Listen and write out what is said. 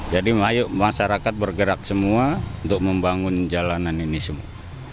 jadi masyarakat bergerak semua untuk membangun jalanan ini semua